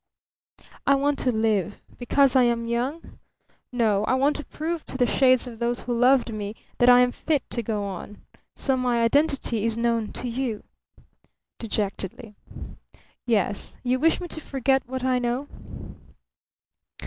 "I want to live. Because I am young? No. I want to prove to the shades of those who loved me that I am fit to go on. So my identity is known to you?" dejectedly. "Yes. You wish me to forget what I know?"